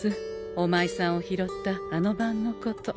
おまいさんを拾ったあの晩のこと。